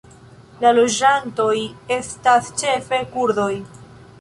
La loĝantoj estas ĉefe kurdoj.